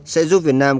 sẽ giúp việt nam